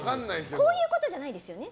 こういうことじゃないですよね？